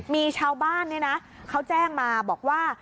มีชาวบ้านเขาแจ้งมาบอกว่า